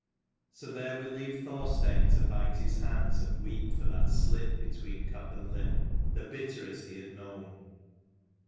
O there we leave Thorstein to bite his hands and weep for that slip between cup and lip, the bitterest he had known.